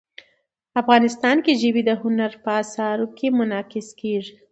افغانستان کې ژبې د هنر په اثار کې منعکس کېږي.